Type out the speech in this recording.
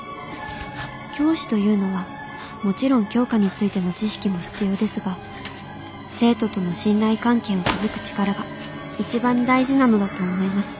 教師というのはもちろん教科についての知識も必要ですが生徒との信頼関係を築く力が一番大事なのだと思います。